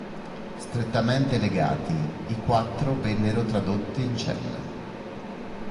Strettamente legati, i quattro vennero tradotti in cella.